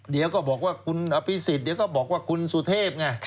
เดี๋ยวก็บอกว่าคุณอภิษฎเดี๋ยวก็บอกว่าคุณสุเทพไง